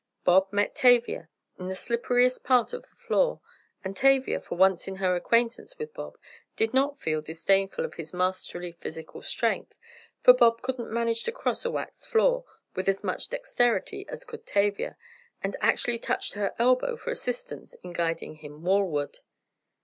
Bob met Tavia in the slipperiest part of the floor and Tavia, for once in her acquaintance with Bob, did not feel disdainful of his masterly physical strength, for Bob couldn't manage to cross a waxed floor with as much dexterity as could Tavia and actually touched her elbow for assistance in guiding him wall ward.